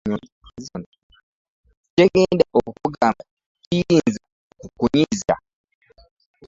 Kye ŋŋenda okukugamba kiyinza okukunyiiza.